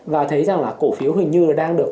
và thấy rằng là cổ phiếu hình như là đang được